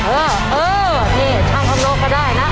เออช่างทำโลกก็ได้นะ